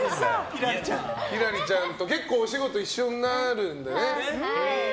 輝星ちゃんと結構お仕事一緒になるんだよね。